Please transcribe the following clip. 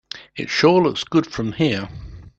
It sure looks good from here.